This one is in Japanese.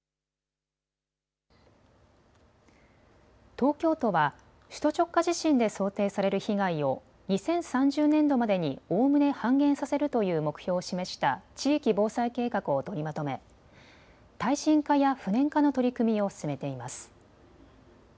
東京都は首都直下地震で想定される被害を２０３０年度までにおおむね半減させるという目標を示した地域防災計画を取りまとめ耐震化や不燃化の取り組みを進めています。